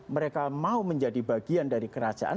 mereka mau menjadi bagian dari kerajaan